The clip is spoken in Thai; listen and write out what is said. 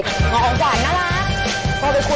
หมอของขวัญน่ารัก